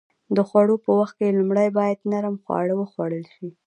د خوړو په وخت کې لومړی باید نرم خواړه وخوړل شي.